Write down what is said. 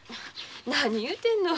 何言うてんの。